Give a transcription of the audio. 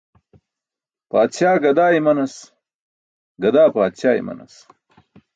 Paadśaa gadaa imanas, gadaa paadśaa imanas.